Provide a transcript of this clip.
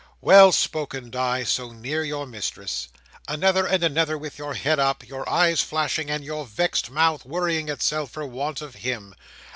Well spoken, Di, so near your Mistress! Another, and another with your head up, your eyes flashing, and your vexed mouth worrying itself, for want of him!